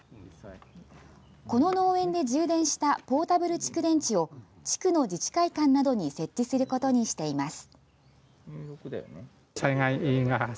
この農園で充電したポーダブル蓄電池を地区の自治会館などに設置することにしています。